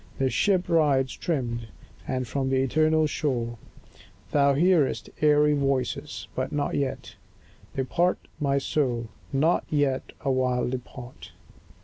The ship rides trimmed, and from the eternal shore Thou hearest airy voices; but not yet Depart, my soul, not yet awhile depart.